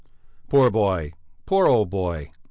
"Poor boy! poor old boy!"